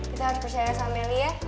kita harus percaya sama meli ya